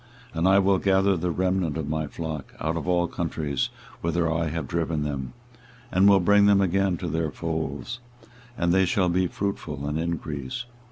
24:023:003 And I will gather the remnant of my flock out of all countries whither I have driven them, and will bring them again to their folds; and they shall be fruitful and increase.